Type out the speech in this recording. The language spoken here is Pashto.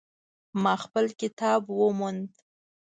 ما خپل کتاب وموند